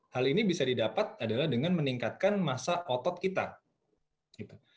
hal ini bisa didapat adalah dengan meningkatkan masa otot kita